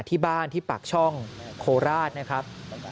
ที่บ้านที่ปากช่องโคราชนะครับ